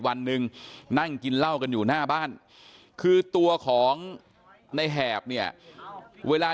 วันหนึ่งนั่งกินเหล้ากันอยู่หน้าบ้านคือตัวของในแหบเนี่ยเวลา